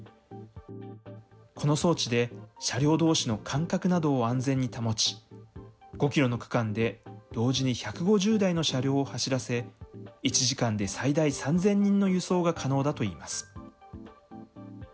この装置で車両どうしの間隔などを安全に保ち、５キロの区間で同時に１５０台の車両を走らせ、１時間で最大３０００人の輸送が可能だといいます。